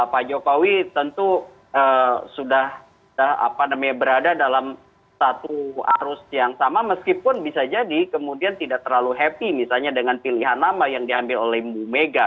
pak jokowi tentu sudah berada dalam satu arus yang sama meskipun bisa jadi kemudian tidak terlalu happy misalnya dengan pilihan nama yang diambil oleh ibu mega